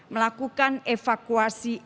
melakukan evakuasi dan menemukan penemuan